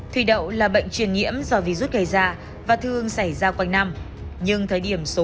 thủy đậu là bệnh truyền nhiễm do virus gây ra và thường xảy ra quanh năm nhưng thời điểm số